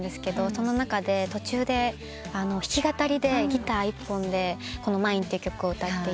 その中で途中で弾き語りでギター一本でこの『Ｍｉｎｅ』って曲を歌っていて。